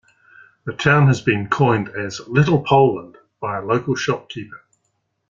The town has been coined as "Little Poland" by a local shopkeeper.